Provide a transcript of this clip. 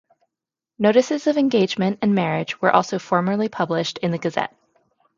Notices of engagement and marriage were also formerly published in the "Gazette".